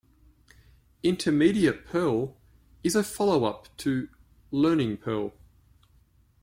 "Intermediate Perl" is a follow-up to "Learning Perl".